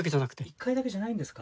１回だけじゃないんですか。